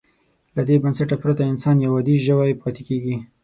له دې بنسټه پرته انسان یو عادي ژوی پاتې کېږي.